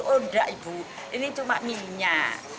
oh enggak ibu ini cuma minyak